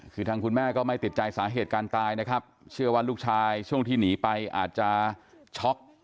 คือทางคุณแม่ก็ไม่ติดใจสาเหตุการตายนะครับเชื่อว่าลูกชายช่วงที่หนีไปอาจจะช็อก